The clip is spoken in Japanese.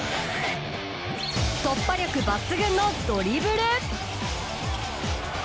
突破力抜群のドリブル！